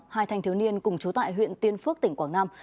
hai thanh thiếu niên cùng chú tại huyện tiên phước tỉnh quảng nam